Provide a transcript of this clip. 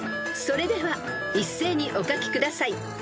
［それでは一斉にお書きください］